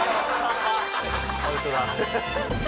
アウトだ。